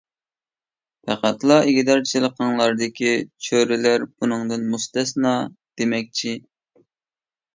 پەقەتلا ئىگىدارچىلىقىڭلاردىكى چۆرىلەر بۇنىڭدىن مۇستەسنا دېمەكچى.